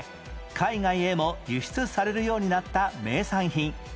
海外へも輸出されるようになった名産品